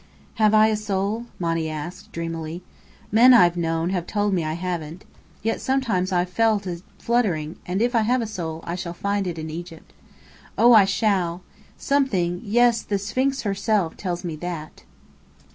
"Have I a soul?" Monny asked, dreamily. "Men I've known have told me I haven't. Yet sometimes I've thought I felt it fluttering. And if I have a soul, I shall find it in Egypt. Oh, I shall! Something yes, the Sphinx herself! tells me that."